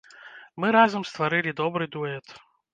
Мы разам стварылі добры дуэт.